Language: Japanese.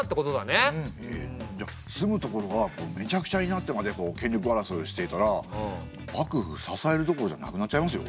じゃ住む所がめちゃくちゃになってまで権力争いをしていたら幕府支えるどころじゃなくなっちゃいますよ。